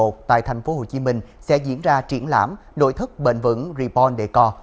ngày hai mươi bốn tháng một mươi một tại tp hcm sẽ diễn ra triển lãm nội thất bền vững reborn decor